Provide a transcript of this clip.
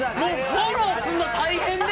フォローすんの大変で。